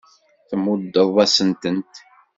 Tmuddeḍ-asen-tent.